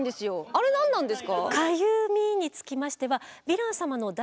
あれ何なんですか？